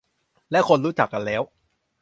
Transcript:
และคนรู้จักกันแล้ว